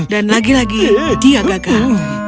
dan lagi lagi dia gagal